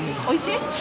おいしい？